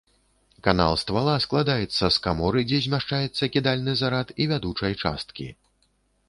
Канал ствала складаецца з каморы, дзе змяшчаецца кідальны зарад, і вядучай часткі.